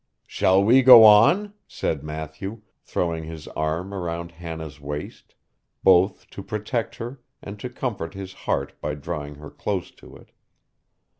'Shall we go on?' said Matthew, throwing his arm round Hannah's waist, both to protect her and to comfort his heart by drawing her close to it.